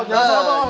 jadi biar cekur